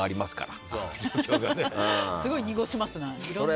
すごい濁しますね。